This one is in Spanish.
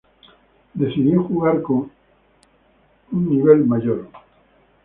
Decidió jugar con a nivel mayor.